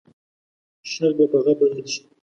شرق به په غرب بدل شي.